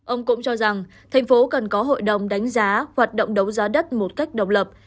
ông cũng cho rằng thành phố cần có hội đồng đánh giá hoạt động đấu giá đất một cách độc lập